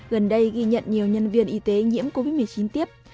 gần đây ghi nhận nhiều nhân viên y tế nhiễm covid một mươi chín tiếp